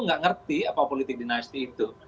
tidak mengerti apa politik dinasti itu